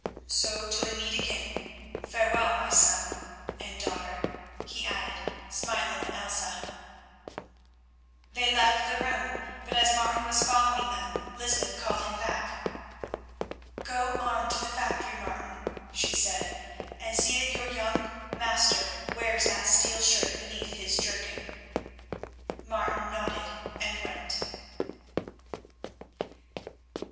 So, till we meet again, farewell, my son—and daughter," he added, smiling at Elsa. They left the room, but as Martin was following them Lysbeth called him back. "Go armed to the factory, Martin," she said, "and see that your young master wears that steel shirt beneath his jerkin." Martin nodded and went.